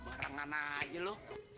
berenggana aja lo